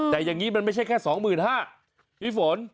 แต่อย่างนี้มันไม่ใช่แค่๒๕๐๐บาทพี่ฝน